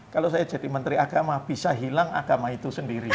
kalau saya jadi menteri agama bisa hilang agama itu sendiri